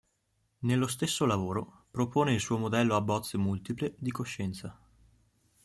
Nello stesso lavoro propone il suo Modello a bozze multiple di coscienza.